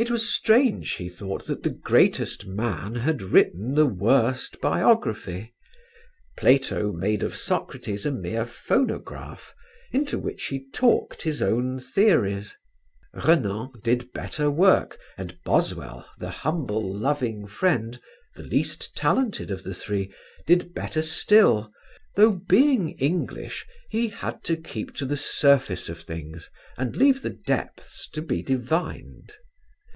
It was strange, he thought, that the greatest man had written the worst biography; Plato made of Socrates a mere phonograph, into which he talked his own theories: Renan did better work, and Boswell, the humble loving friend, the least talented of the three, did better still, though being English, he had to keep to the surface of things and leave the depths to be divined.